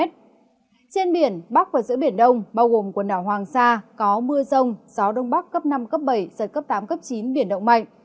trên biển bắc và giữa biển đông bao gồm quần đảo hoàng sa có mưa rông gió đông bắc cấp năm cấp bảy giật cấp tám cấp chín biển động mạnh